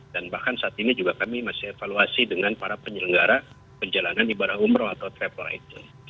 dan bahkan saat ini juga kami masih evaluasi dengan para penyelenggara penjelangan ibarat umroh atau travel item